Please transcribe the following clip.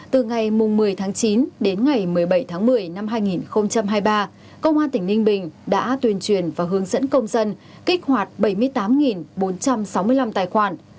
từ ngày một mươi tháng chín đến ngày một mươi bảy tháng một mươi năm hai nghìn hai mươi ba công an tỉnh ninh bình đã tuyên truyền và hướng dẫn công dân kích hoạt bảy mươi tám bốn trăm sáu mươi năm tài khoản